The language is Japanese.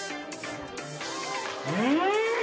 うん！